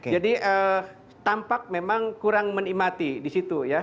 jadi tampak memang kurang menikmati di situ ya